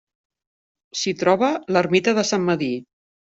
S'hi troba l'ermita de Sant Medir.